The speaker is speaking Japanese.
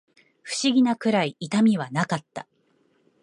不思議なくらい痛みはなかった